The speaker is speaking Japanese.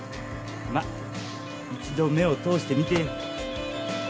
まッ一度目を通してみてよ